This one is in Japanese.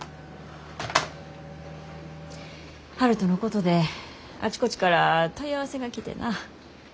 悠人のことであちこちから問い合わせが来てな。